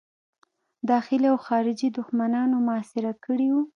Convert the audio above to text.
داخلي او خارجي دښمنانو محاصره کړی وو.